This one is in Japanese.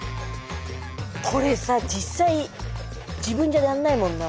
これさ実際自分じゃやんないもんな。